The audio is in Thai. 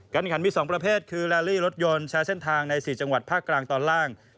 ขันมี๒ประเภทคือแลลี่รถยนต์ใช้เส้นทางใน๔จังหวัดภาคกลางตอนล่าง